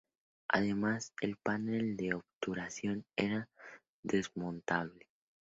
Además, el panel de obturación era desmontable.